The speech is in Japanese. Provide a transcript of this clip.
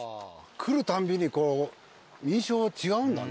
来るたんびにこう印象が違うんだね。